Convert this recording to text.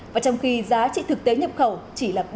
và trong khi giá trị thực tế nhập khẩu chỉ là bảy năm